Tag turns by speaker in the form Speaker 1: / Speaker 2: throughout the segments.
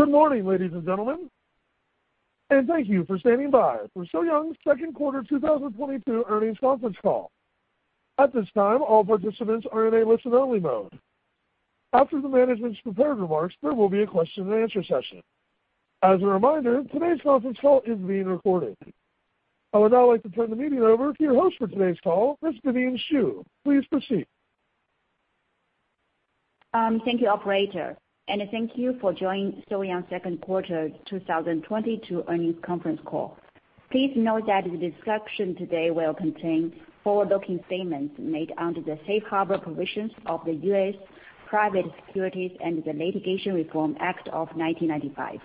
Speaker 1: Good morning, ladies and gentlemen, and thank you for standing by for So-Young's second quarter 2022 earnings conference call. At this time, all participants are in a listen-only mode. After the management's prepared remarks, there will be a question-and-answer session. As a reminder, today's conference call is being recorded. I would now like to turn the meeting over to your host for today's call, Ms. Vivian Xu. Please proceed.
Speaker 2: Thank you, operator. Thank you for joining So-Young second quarter 2022 earnings conference call. Please note that the discussion today will contain forward-looking statements made under the Safe Harbor provisions of the U.S. Private Securities Litigation Reform Act of 1995.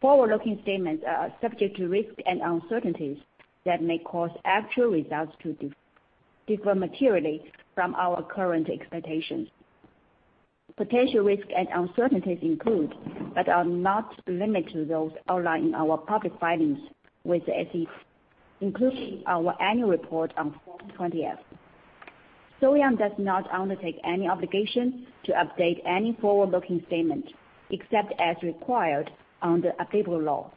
Speaker 2: Forward-looking statements are subject to risks and uncertainties that may cause actual results to differ materially from our current expectations. Potential risks and uncertainties include, but are not limited to, those outlined in our public filings with the SEC, including our annual report on 20-F. So-Young does not undertake any obligation to update any forward-looking statement, except as required under applicable law.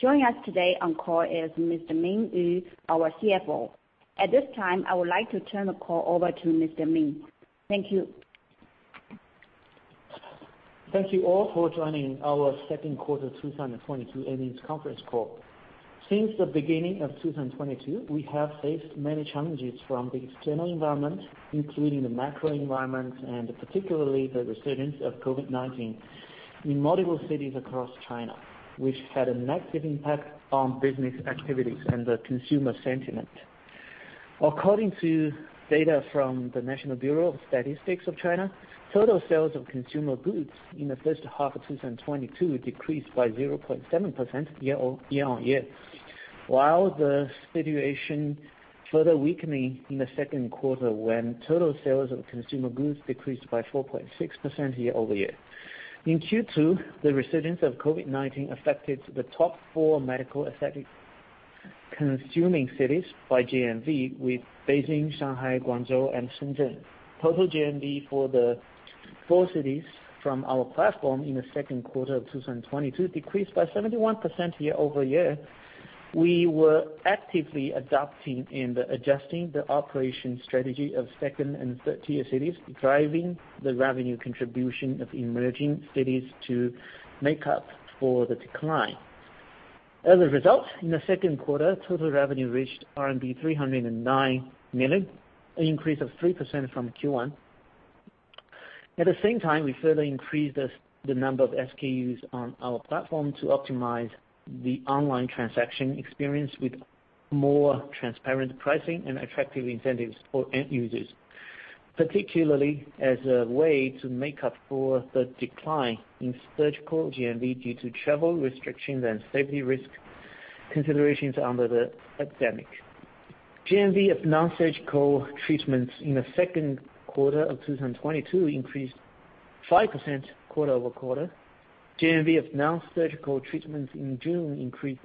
Speaker 2: Joining us today on the call is Mr. Min Yu, our CFO. At this time, I would like to turn the call over to Mr. Min. Thank you.
Speaker 3: Thank you all for joining our second quarter 2022 earnings conference call. Since the beginning of 2022, we have faced many challenges from the external environment, including the macro environment and particularly the resurgence of COVID-19 in multiple cities across China, which had a negative impact on business activities and the consumer sentiment. According to data from the National Bureau of Statistics of China, total sales of consumer goods in the first half of 2022 decreased by 0.7% year-over-year, while the situation further weakening in the second quarter when total sales of consumer goods decreased by 4.6% year-over-year. In Q2, the resurgence of COVID-19 affected the top four medical aesthetic consuming cities by GMV, with Beijing, Shanghai, Guangzhou, and Shenzhen. Total GMV for the four cities from our platform in the second quarter of 2022 decreased by 71% year-over-year. We were actively adapting and adjusting the operation strategy of second and third tier cities, driving the revenue contribution of emerging cities to make up for the decline. As a result, in the second quarter, total revenue reached RMB 309 million, an increase of 3% from Q1. At the same time, we further increased the number of SKUs on our platform to optimize the online transaction experience with more transparent pricing and attractive incentives for end users, particularly as a way to make up for the decline in surgical GMV due to travel restrictions and safety risk considerations under the pandemic. GMV of nonsurgical treatments in the second quarter of 2022 increased 5% quarter-over-quarter. GMV of nonsurgical treatments in June increased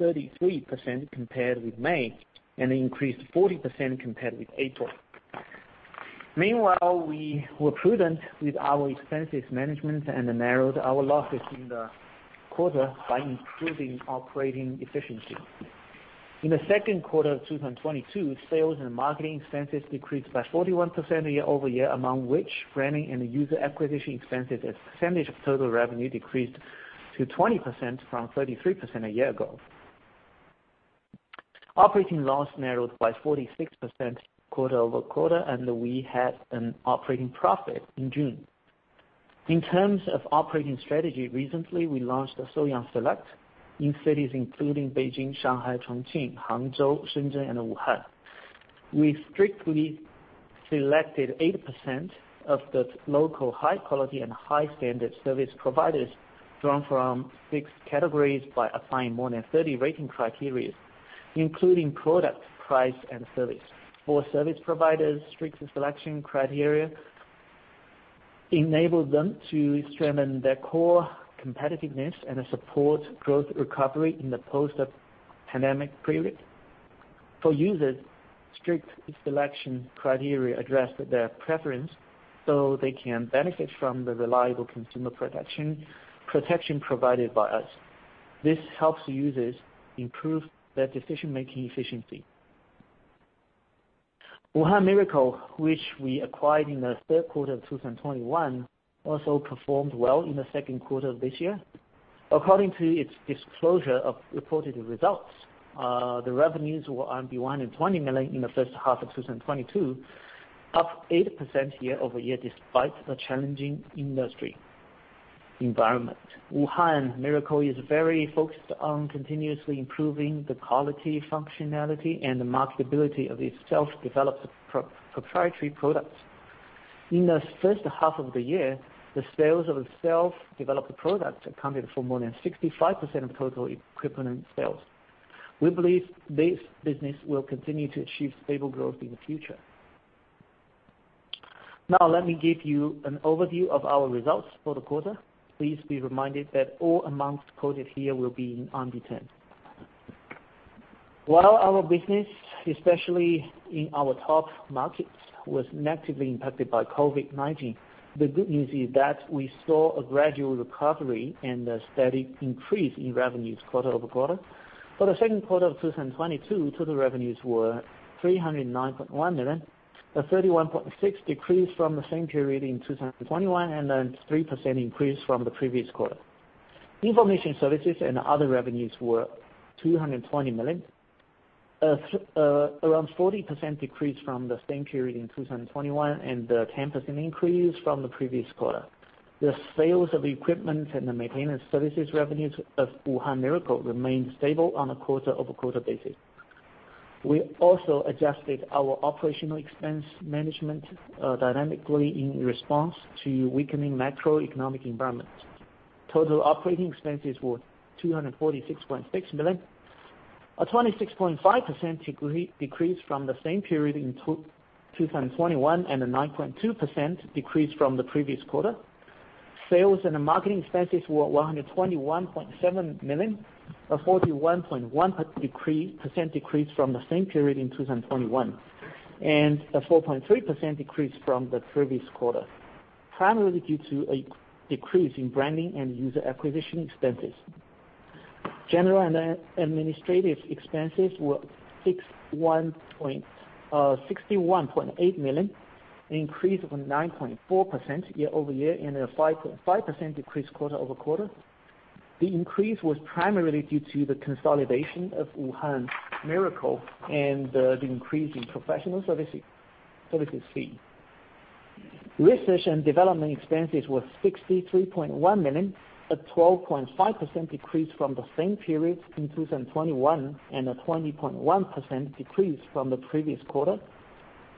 Speaker 3: 33% compared with May and increased 40% compared with April. Meanwhile, we were prudent with our expenses management and narrowed our losses in the quarter by improving operating efficiency. In the second quarter of 2022, sales and marketing expenses decreased by 41% year-over-year, among which branding and user acquisition expenses as a percentage of total revenue decreased to 20% from 33% a year ago. Operating loss narrowed by 46% quarter-over-quarter, and we had an operating profit in June. In terms of operating strategy, recently we launched the So-Young Select in cities including Beijing, Shanghai, Chongqing, Hangzhou, Shenzhen, and Wuhan. We strictly selected 80% of the local high quality and high standard service providers drawn from six categories by applying more than 30 rating criteria, including product, price, and service. For service providers, strict selection criteria enabled them to strengthen their core competitiveness and support growth recovery in the post-pandemic period. For users, strict selection criteria addressed their preference, so they can benefit from the reliable consumer protection provided by us. This helps users improve their decision-making efficiency. Wuhan Miracle, which we acquired in the third quarter of 2021, also performed well in the second quarter of this year. According to its disclosure of reported results, the revenues were 120 million in the first half of 2022, up 8% year-over-year despite the challenging industry environment. Wuhan Miracle is very focused on continuously improving the quality, functionality, and the marketability of its self-developed proprietary products. In the first half of the year, the sales of self-developed products accounted for more than 65% of total equipment sales. We believe this business will continue to achieve stable growth in the future. Now let me give you an overview of our results for the quarter. Please be reminded that all amounts quoted here will be in RMB. While our business, especially in our top markets, was negatively impacted by COVID-19, the good news is that we saw a gradual recovery and a steady increase in revenues quarter-over-quarter. For the second quarter of 2022, total revenues were 309.1 million, a 31.6% decrease from the same period in 2021, and a 3% increase from the previous quarter. Information services and other revenues were 220 million, around 40% decrease from the same period in 2021, and a 10% increase from the previous quarter. The sales of equipment and the maintenance services revenues of Wuhan Miracle remained stable on a quarter-over-quarter basis. We also adjusted our operational expense management dynamically in response to weakening macroeconomic environment. Total operating expenses were 246.6 million, a 26.5% decrease from the same period in 2021, and a 9.2% decrease from the previous quarter. Sales and marketing expenses were 121.7 million, a 41.1% decrease from the same period in 2021, and a 4.3% decrease from the previous quarter, primarily due to a decrease in branding and user acquisition expenses. General and administrative expenses were 61 point. 61.8 million, an increase of 9.4% year-over-year and a 5% decrease quarter-over-quarter. The increase was primarily due to the consolidation of Wuhan Miracle and the increase in professional service fee, service fee. Research and development expenses were 63.1 million, a 12.5% decrease from the same period in 2021, and a 20.1% decrease from the previous quarter.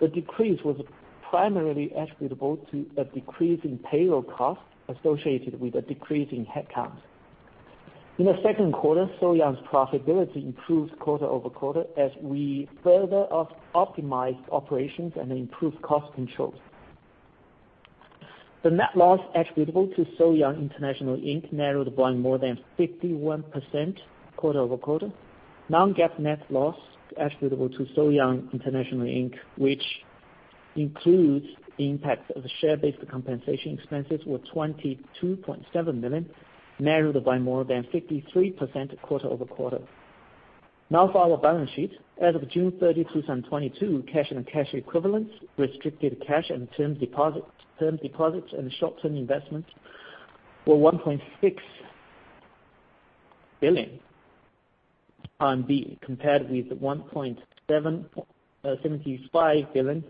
Speaker 3: The decrease was primarily attributable to a decrease in payroll costs associated with a decrease in headcount. In the second quarter, So-Young's profitability improved quarter-over-quarter as we further optimized operations and improved cost control. The net loss attributable to So-Young International Inc. narrowed by more than 51% quarter-over-quarter. Non-GAAP net loss attributable to So-Young International Inc., which includes the impact of the share-based compensation expenses, were 22.7 million RMB, narrowed by more than 53% quarter-over-quarter. Now for our balance sheet. As of June 30, 2022, cash and cash equivalents, restricted cash and term deposits, term deposits and short-term investments were 1.6 billion RMB, compared with 1.75 billion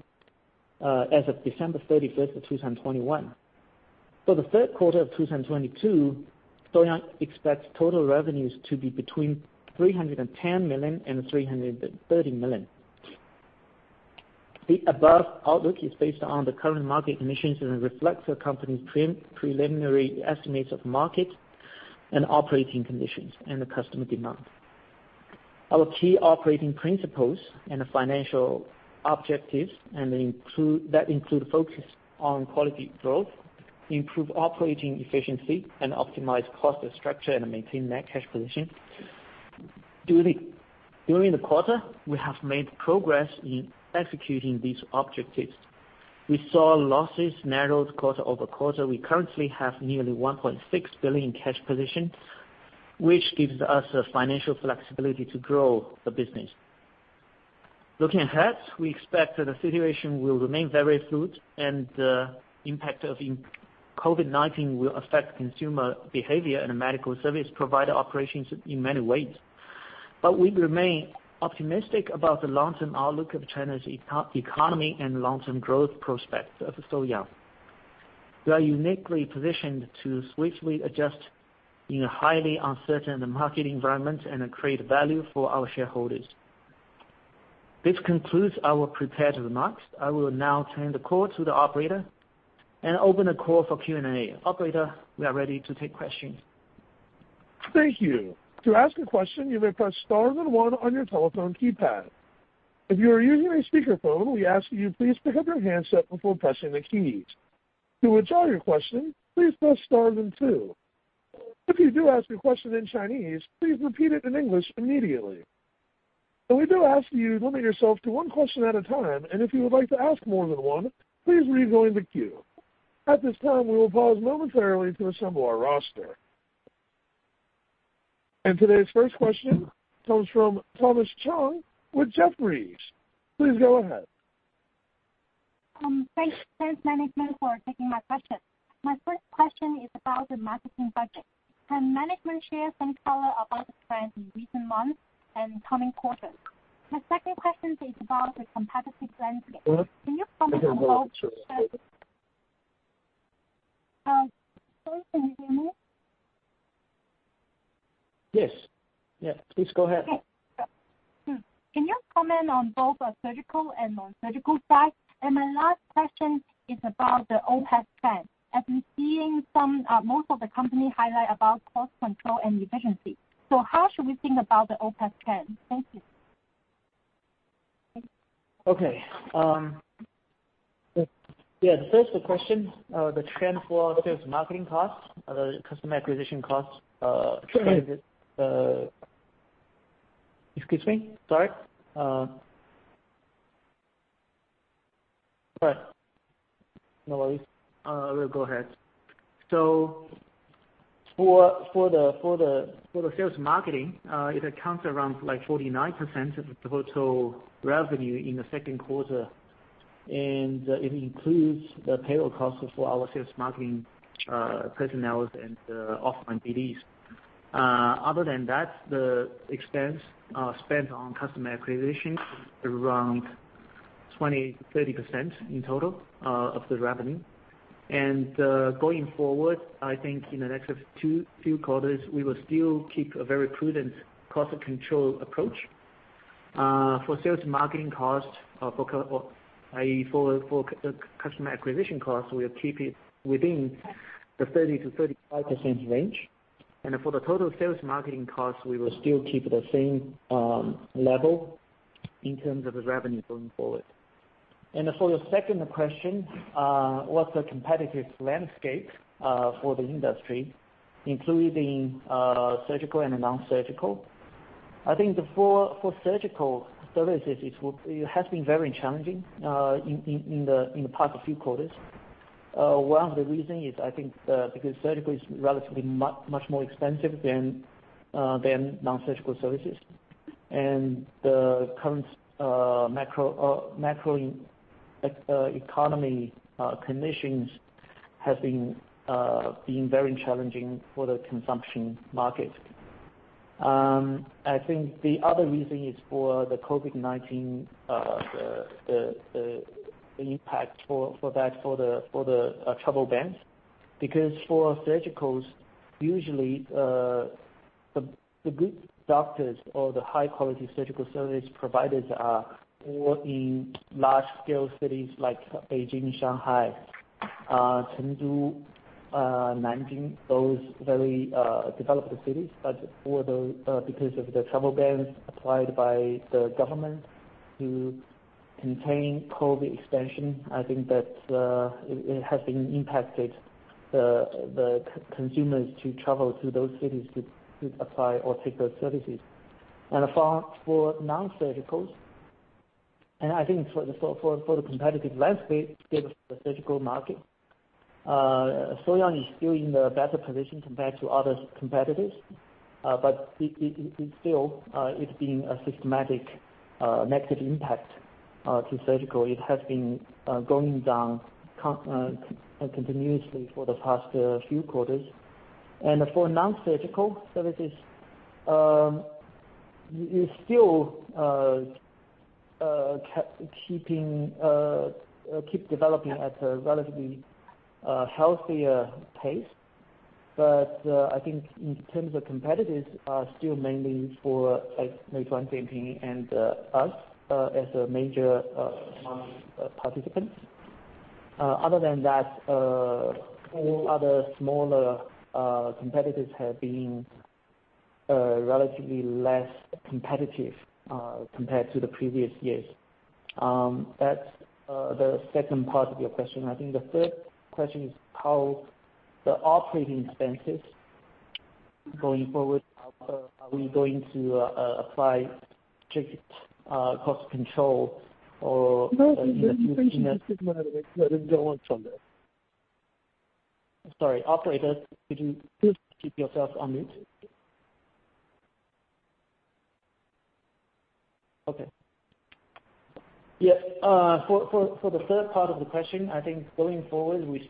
Speaker 3: as of December 31st, 2021. For the third quarter of 2022, So-Young expects total revenues to be between 310 million and 330 million. The above outlook is based on the current market conditions and reflects the company's preliminary estimates of market and operating conditions and the customer demand. Our key operating principles and financial objectives and include. that include focus on quality growth, improve operating efficiency, and optimize cost structure and maintain net cash position. During the quarter, we have made progress in executing these objectives. We saw losses narrowed quarter-over-quarter. We currently have nearly 1.6 billion cash position, which gives us the financial flexibility to grow the business. Looking ahead, we expect that the situation will remain very fluid and the impact of COVID-19 will affect consumer behavior and medical service provider operations in many ways. We remain optimistic about the long-term outlook of China's economy and long-term growth prospects of So-Young. We are uniquely positioned to swiftly adjust in a highly uncertain market environment and create value for our shareholders. This concludes our prepared remarks. I will now turn the call to the operator and open the call for Q&A. Operator, we are ready to take questions.
Speaker 1: Thank you. To ask a question, you may press star then one on your telephone keypad. If you are using a speakerphone, we ask that you please pick up your handset before pressing the keys. To withdraw your question, please press star then two. If you do ask a question in Chinese, please repeat it in English immediately. We do ask you to limit yourself to one question at a time, and if you would like to ask more than one, please rejoin the queue. At this time, we will pause momentarily to assemble our roster. Today's first question comes from Thomas Chong with Jefferies. Please go ahead.
Speaker 4: Thanks management for taking my question. My first question is about the marketing budget. Can management share some color about the trends in recent months and coming quarters? My second question is about the competitive landscape. Can you comment on both surgical?
Speaker 3: Yes. Yeah. Please go ahead.
Speaker 4: Okay. Yeah. Can you comment on both the surgical and non-surgical side? My last question is about the OpEx plan. I've been seeing some, most of the companies highlight about cost control and efficiency. How should we think about the OpEx plan? Thank you.
Speaker 3: Yeah, the first question, the trend for sales marketing costs, the customer acquisition costs. We'll go ahead. For the sales marketing, it accounts around like 49% of the total revenue in the second quarter, and it includes the payroll costs for our sales marketing personnel and the offline BDs. Other than that, the expense spent on customer acquisition around 20%-30% in total of the revenue. Going forward, I think in the next few quarters, we will still keep a very prudent cost control approach. For sales marketing cost, for customer acquisition costs, we'll keep it within the 30%-35% range. For the total sales marketing costs, we will still keep the same level in terms of the revenue going forward. For your second question, what's the competitive landscape for the industry, including surgical and non-surgical? I think for surgical services, it has been very challenging in the past few quarters. One of the reason is I think because surgical is relatively much more expensive than non-surgical services. The current macro economy conditions have been very challenging for the consumption market. I think the other reason is for the COVID-19, the impact for the travel bans, because for surgicals, usually, the good doctors or the high-quality surgical service providers are all in large scale cities like Beijing, Shanghai, Chengdu, Nanjing, those very developed cities. Because of the travel bans applied by the government to contain COVID expansion, I think that it has impacted the consumers to travel to those cities to apply or take those services. For non-surgicals, I think for the competitive landscape against the surgical market, So-Young is still in the better position compared to other competitors. But it is still been a systematic negative impact to surgical. It has been going down continuously for the past few quarters. For non-surgical services, you still keep developing at a relatively healthy pace. I think in terms of competitors are still mainly for like Meituan, Dianping and us as a major participants. Other than that, all other smaller competitors have been relatively less competitive compared to the previous years. That's the second part of your question. I think the third question is how the operating expenses going forward, how are we going to apply strict cost control. Sorry, operator, could you please keep yourself on mute? Okay. Yeah. For the third part of the question, I think going forward we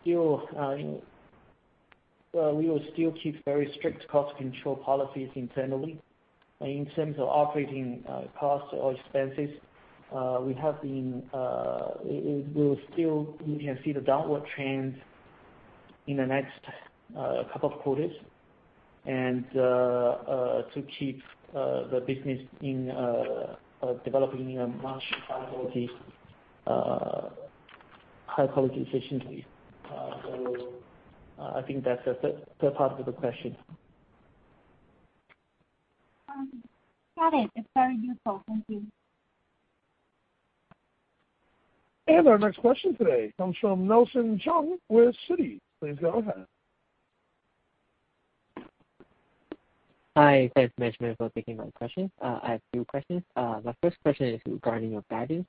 Speaker 3: will still keep very strict cost control policies internally. In terms of operating costs or expenses, you can see the downward trends in the next couple of quarters. To keep the business in developing a much higher quality efficiently. I think that's the third part of the question.
Speaker 4: Got it. It's very useful. Thank you.
Speaker 1: Our next question today comes from Nelson Cheung with Citi. Please go ahead.
Speaker 5: Hi. Thanks, management, for taking my question. I have two questions. My first question is regarding your guidance.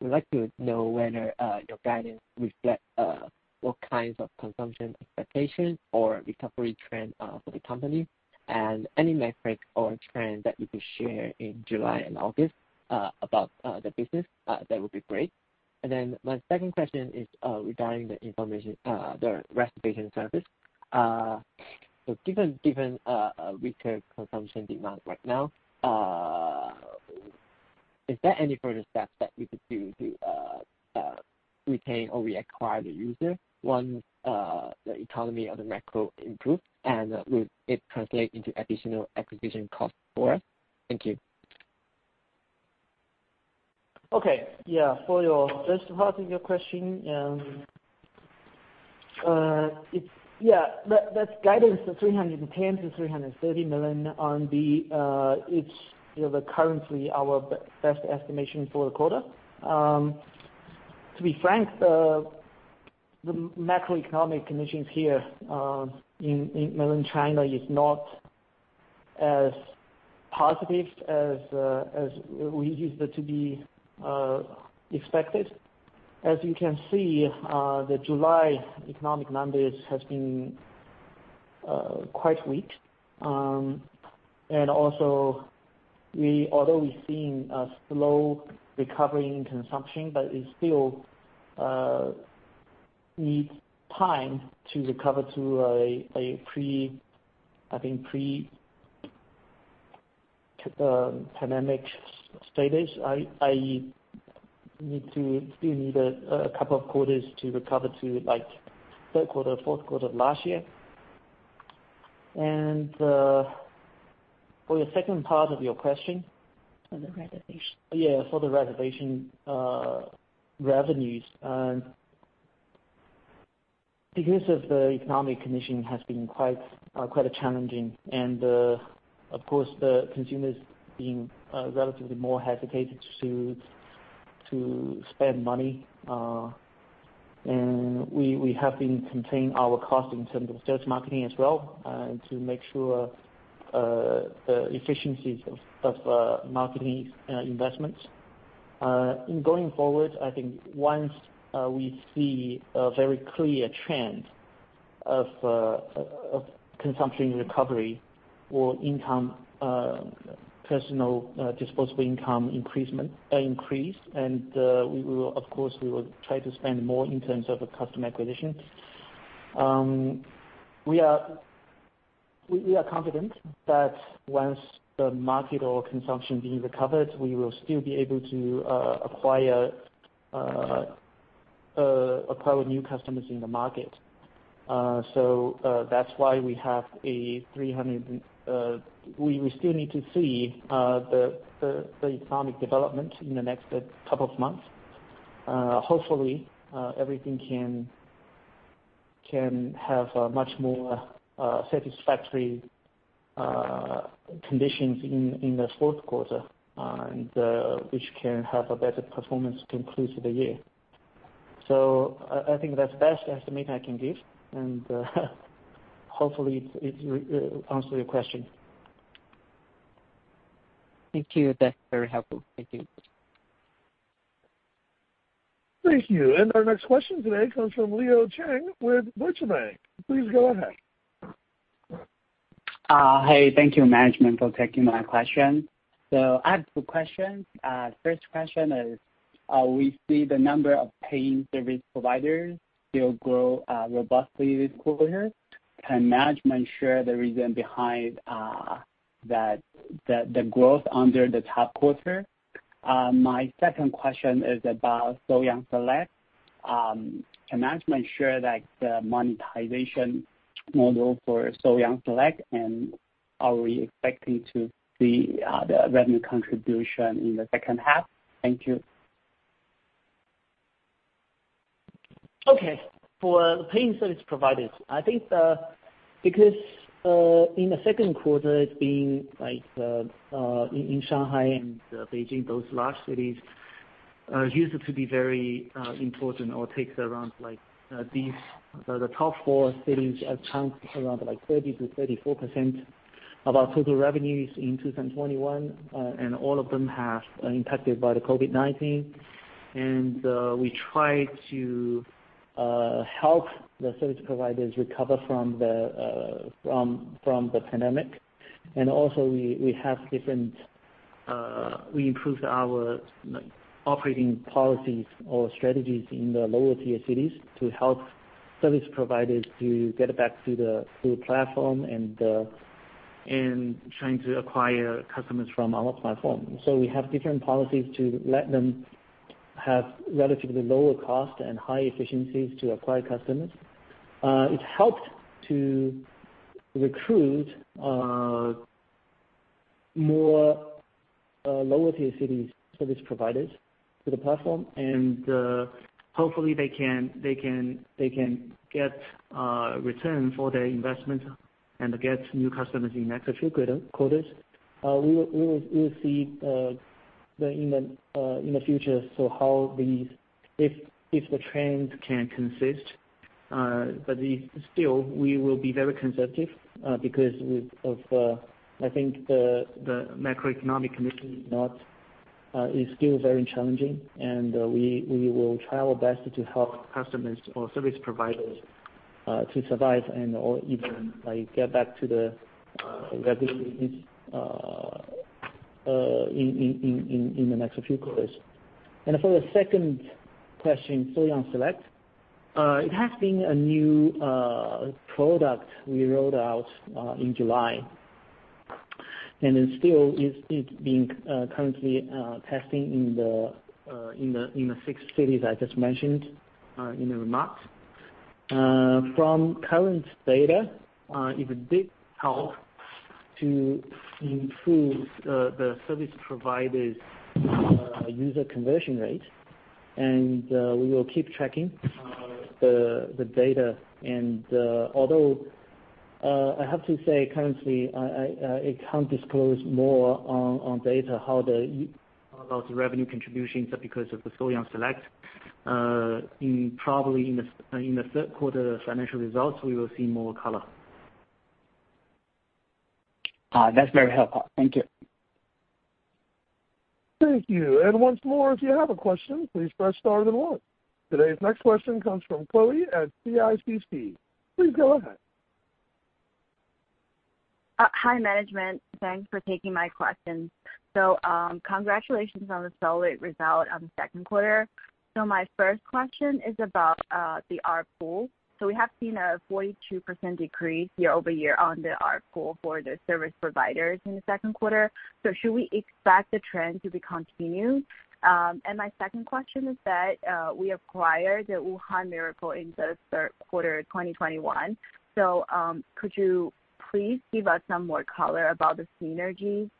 Speaker 5: We'd like to know whether your guidance reflect what kinds of consumption expectations or recovery trend for the company, and any metrics or trends that you could share in July and August about the business that would be great. My second question is regarding the information and reservation services. Given a weaker consumption demand right now, is there any further steps that you could do to retain or reacquire the user once the economy or the macro improves? Will it translate into additional acquisition costs for us? Thank you.
Speaker 3: Okay. Yeah, for your first part of your question, it's Yeah, that guidance of 310 million-330 million RMB, it's, you know, that's currently our best estimation for the quarter. To be frank, the macroeconomic conditions here in mainland China is not as positive as we used to be expected. As you can see, the July economic numbers has been quite weak. Although we've seen a slow recovery in consumption, but it still needs time to recover to a pre-pandemic status. It still needs a couple of quarters to recover to, like, third quarter, fourth quarter of last year. For the second part of your question.
Speaker 5: For the reservation.
Speaker 3: Yeah, for the reservation revenues. Because of the economic condition has been quite challenging and, of course, the consumers being relatively more hesitant to spend money. We have been containing our costs in terms of sales marketing as well, to make sure efficiencies of marketing investments. In going forward, I think once we see a very clear trend of consumption recovery or personal disposable income increase, and we will, of course, try to spend more in terms of the customer acquisition. We are confident that once the market or consumption being recovered, we will still be able to acquire new customers in the market. That's why we have a 300 and we still need to see the economic development in the next couple of months. Hopefully everything can have much more satisfactory conditions in the fourth quarter, which can have a better performance to conclude the year. I think that's the best estimate I can give, and hopefully it answers your question.
Speaker 5: Thank you. That's very helpful. Thank you.
Speaker 1: Thank you. Our next question today comes from Leo Chiang with Deutsche Bank. Please go ahead.
Speaker 6: Hi. Thank you, management, for taking my question. I have two questions. First question is, we see the number of paying service providers still grow robustly this quarter. Can management share the reason behind that, the growth under the top quarter? My second question is about So-Young Prime. Can management share, like, the monetization model for So-Young Prime, and are we expecting to see the revenue contribution in the second half? Thank you.
Speaker 3: Okay. For the paying service providers, I think, because in the second quarter, it's been, like, in Shanghai and Beijing, those large cities, used to be very important or takes around, like, these, the top four cities account around, like, 30%-34% of our total revenues in 2021. All of them have impacted by the COVID-19. We try to help the service providers recover from the pandemic. Also we have different, we improved our operating policies or strategies in the lower tier cities to help service providers to get back to the platform and trying to acquire customers from our platform. We have different policies to let them have relatively lower cost and high efficiencies to acquire customers. It helped to recruit more lower-tier cities service providers to the platform, and hopefully they can get return on their investment and get new customers in next few quarters. We'll see in the future how these trends can persist. But we still will be very conservative because of, I think, the macroeconomic condition is still very challenging. We will try our best to help customers or service providers to survive and/or even, like, get back to the revenues in the next few quarters. For the second question, So-Young Prime. It has been a new product we rolled out in July. It still is being currently testing in the six cities I just mentioned in the remarks. From current data, it did help to improve the service providers user conversion rate. We will keep tracking the data. Although I have to say currently I can't disclose more on data how about the revenue contributions because of the So-Young Select. In probably the third quarter financial results, we will see more color.
Speaker 6: That's very helpful. Thank you.
Speaker 1: Thank you. Once more, if you have a question, please press star then one. Today's next question comes from Chloe at CIBC. Please go ahead.
Speaker 7: Hi, management. Thanks for taking my questions. Congratulations on the solid result on the second quarter. My first question is about the ARPU. We have seen a 42% decrease year-over-year on the ARPU for the service providers in the second quarter. Should we expect the trend to be continued? My second question is that we acquired the Wuhan Miracle in the third quarter of 2021. Could you please give us some more color about the synergies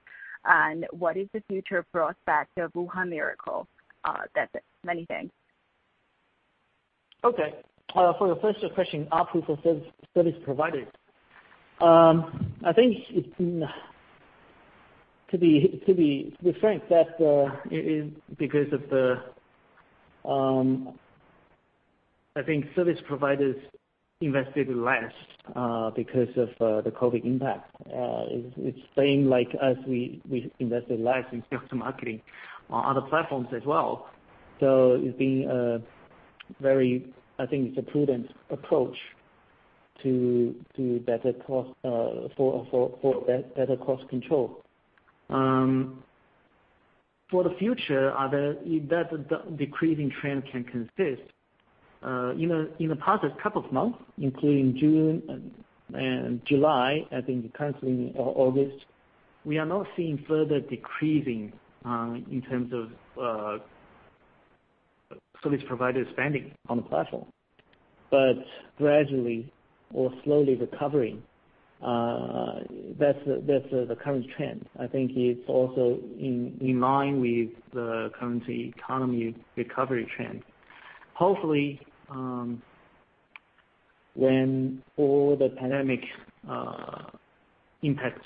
Speaker 7: and what is the future prospect of Wuhan Miracle? That's it. Many thanks.
Speaker 3: Okay. For the first question, ARPU for service providers. I think it's different that it is because of the COVID impact. I think service providers invested less because of the COVID impact. It's same like as we invested less in customer marketing on other platforms as well. It's been very. I think it's a prudent approach to better cost for better cost control. For the future, that decreasing trend can continue. In the past couple of months, including June and July, I think currently August, we are not seeing further decreasing in terms of service provider spending on the platform. Gradually or slowly recovering, that's the current trend. I think it's also in line with the current economy recovery trend. Hopefully, when all the pandemic impact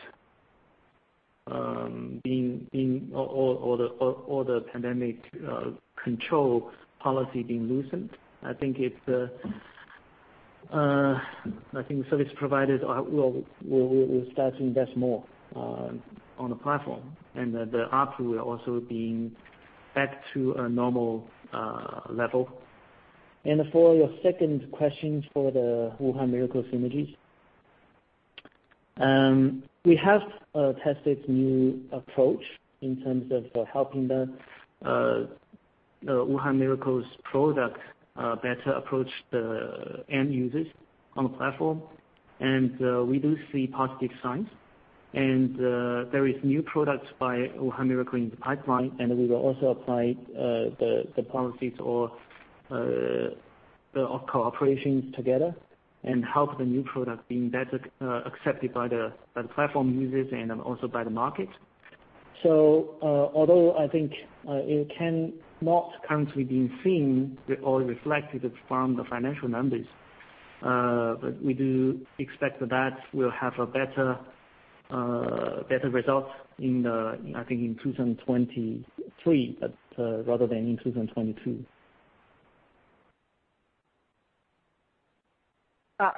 Speaker 3: being or the pandemic control policy being loosened, I think service providers will start to invest more on the platform, and the ARPU will also being back to a normal level. For your second question for the Wuhan Miracle synergies. We have tested new approach in terms of helping the Wuhan Miracle's product better approach the end users on the platform. We do see positive signs. There is new products by Wuhan Miracle in the pipeline, and we will also apply the policies or cooperations together and help the new product being better accepted by the platform users and then also by the market. Although I think it can not currently being seen or reflected from the financial numbers, but we do expect that we'll have a better result in, I think in 2023, rather than in 2022.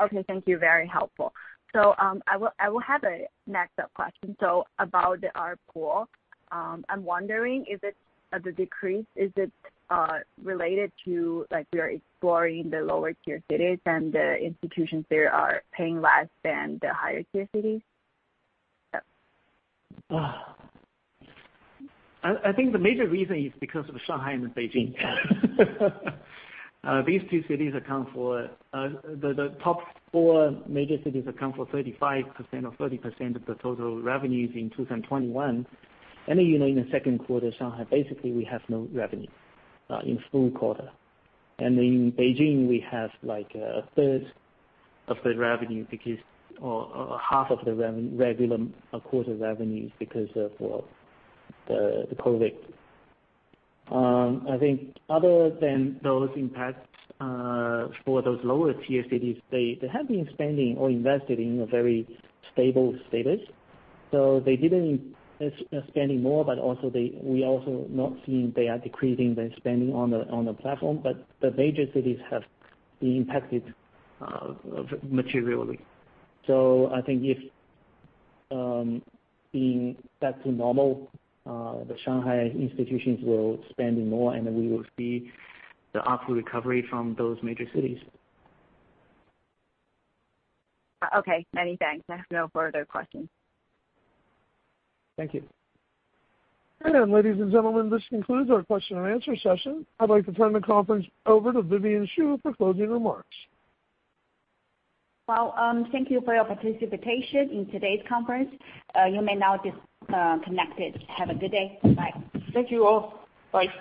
Speaker 7: Okay, thank you. Very helpful. I will have a next up question. About the ARPU, I'm wondering, is the decrease related to like we are exploring the lower tier cities and the institutions there are paying less than the higher tier cities?
Speaker 3: I think the major reason is because of Shanghai and Beijing. These two cities account for the top four major cities account for 35% or 30% of the total revenues in 2021. In the second quarter, Shanghai basically we have no revenue in full quarter. In Beijing, we have like a third revenue or half of the regular quarter revenues because of the COVID-19. I think other than those impacts, for those lower tier cities, they have been spending or invested in a very stable status. They didn't see spending more, but also we also not seeing they are decreasing their spending on the platform. The major cities have been impacted materially. I think if being back to normal, the Shanghai institutions will spending more and we will see the ARPU recovery from those major cities.
Speaker 7: Okay. Many thanks. I have no further questions.
Speaker 3: Thank you.
Speaker 1: Ladies and gentlemen, this concludes our question and answer session. I'd like to turn the conference over to Vivian Xu for closing remarks.
Speaker 2: Well, thank you for your participation in today's conference. You may now disconnect. Have a good day. Bye.
Speaker 1: Thank you all. Bye.